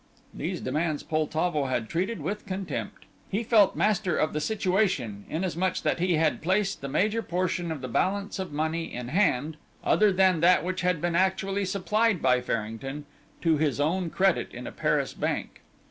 These demands Poltavo had treated with contempt. He felt master of the situation, inasmuch that he had placed the major portion of the balance of money in hand, other than that which had been actually supplied by Farrington, to his own credit in a Paris bank.